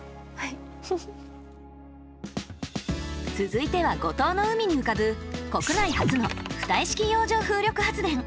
続いては五島の海に浮かぶ国内初の浮体式洋上風力発電！